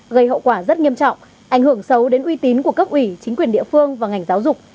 gây hậu quả rất nghiêm trọng ảnh hưởng xấu đến uy tín của cấp ủy chính quyền địa phương và ngành giáo dục